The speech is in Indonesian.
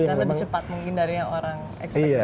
dan lebih cepat mungkin dari yang orang expect juga